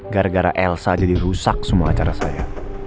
gara gara elsa jadi rusak semua cara saya